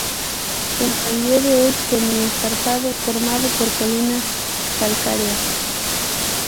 El relieve es semi-escarpado formado por colinas calcáreas.